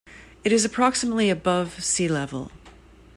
It is approximately above sea level.